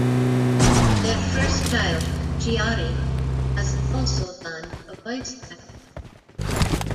Their first child, Shiori, has also done voice acting.